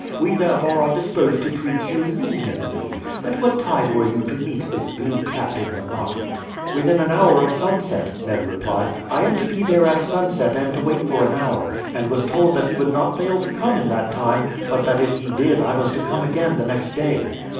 We therefore are disposed to treat you leniently. At what time were you to meet this Blue Cap in the market?" "Within an hour of sunset," Ned replied. "I am to be there at sunset and to wait for an hour; and was told that he would not fail to come in that time, but that if he did I was to come again the next day."